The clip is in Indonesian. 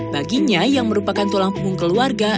baginya yang merupakan tulang punggung keluarga